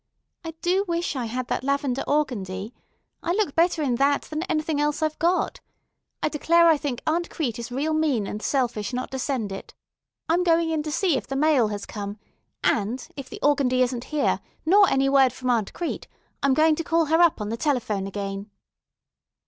"I do wish I had that lavender organdie. I look better in that than anything else I've got. I declare I think Aunt Crete is real mean and selfish not to send it. I'm going in to see if the mail has come; and, if the organdie isn't here, nor any word from Aunt Crete, I'm going to call her up on the telephone again."